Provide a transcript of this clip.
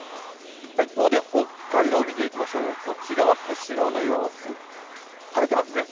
一方で、北海道見ていきましょう、こちらは釧路の様子晴れていますね。